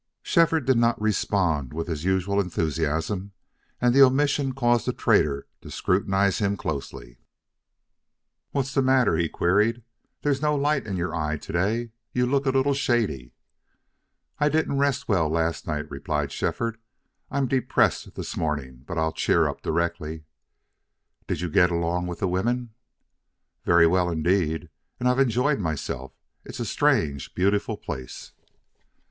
Shefford did not respond with his usual enthusiasm, and the omission caused the trader to scrutinize him closely. "What's the matter?" he queried. "There's no light in your eye to day. You look a little shady." "I didn't rest well last night," replied Shefford. "I'm depressed this morning. But I'll cheer up directly." "Did you get along with the women?" "Very well indeed. And I've enjoyed myself. It's a strange, beautiful place."